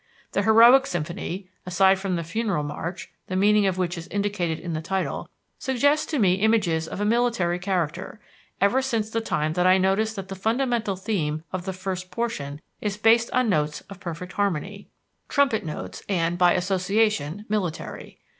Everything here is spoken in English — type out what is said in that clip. The Heroic Symphony (aside from the funeral march, the meaning of which is indicated in the title) suggests to me images of a military character, ever since the time that I noticed that the fundamental theme of the first portion is based on notes of perfect harmony trumpet notes and, by association, military.